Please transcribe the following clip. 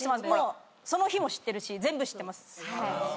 その日も知ってるし全部知ってます。